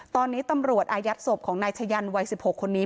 ตอนนี้ตำรวจอายัดศพของนายชะยันวัย๑๖คนนี้